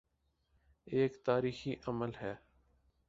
ایک تاریخی عمل ہے۔